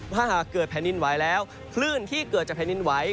ว่าเกิดแผนดินไหวแล้วคลื่นที่เกิดจะแผนดินไหว